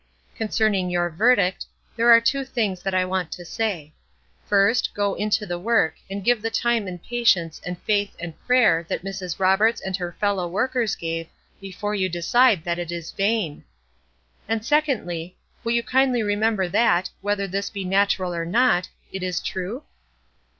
Concerning your verdict, there are two things that I want to say: First, go into the work, and give the time and patience and faith and prayer that Mrs. Roberts and her fellow workers gave, before you decide that it is vain. And secondly, will you kindly remember that, whether this be natural or not, it is true?